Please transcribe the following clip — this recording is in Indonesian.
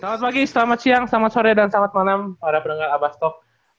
selamat pagi selamat siang selamat sore dan selamat malam para penengah abastov